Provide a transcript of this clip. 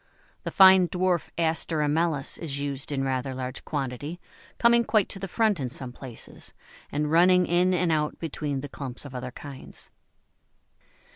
The fine dwarf Aster amellus is used in rather large quantity, coming quite to the front in some places, and running in and out between the clumps of other kinds.